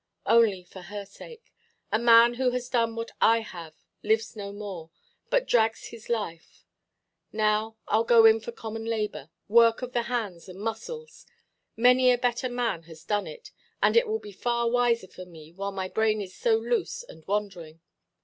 Only for her sake. A man who has done what I have lives no more, but drags his life. Now Iʼll go in for common labour, work of the hands and muscles; many a better man has done it; and it will be far wiser for me while my brain is so loose and wandering.